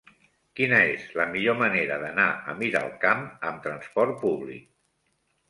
Quina és la millor manera d'anar a Miralcamp amb trasport públic?